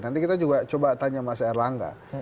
nanti kita juga coba tanya mas erlangga